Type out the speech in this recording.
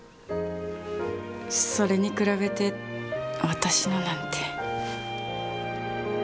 それに比べて私のなんて。